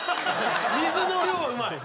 水の量うまい！